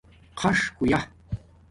خَݽ ہویآ